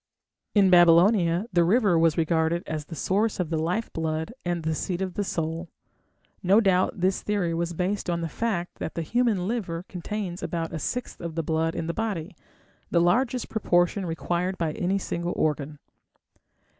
" In Babylonia the river was regarded as the source of the life blood and the seat of the soul. No doubt this theory was based on the fact that the human liver contains about a sixth of the blood in the body, the largest proportion required by any single organ.